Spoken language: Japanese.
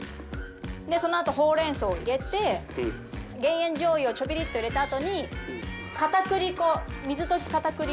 そのあとほうれん草を入れて減塩じょう油をちょびっと入れたあとに片栗粉水溶き片栗粉。